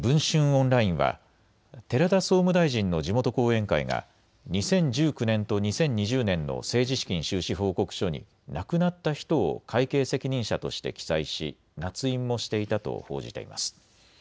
オンラインは寺田総務大臣の地元後援会が２０１９年と２０２０年の政治資金収支報告書に亡くなった人を会計責任者として記載しなつ印もしていたと報じています。